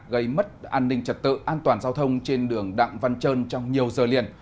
gây mất an ninh trật tự an toàn giao thông trên đường đặng văn trơn trong nhiều giờ liền